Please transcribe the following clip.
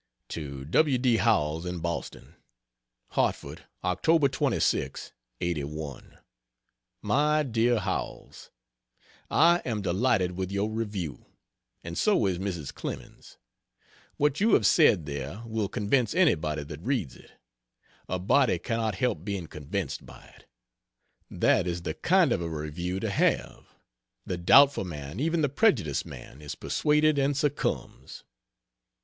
To W. D. Howells, in Boston: HARTFORD, Oct. 26 '81. MY DEAR HOWELLS, I am delighted with your review, and so is Mrs. Clemens. What you have said, there, will convince anybody that reads it; a body cannot help being convinced by it. That is the kind of a review to have; the doubtful man; even the prejudiced man, is persuaded and succumbs.